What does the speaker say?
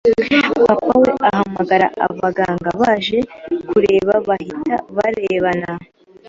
papa we ahamagara abaganga baje kureba bahita barebana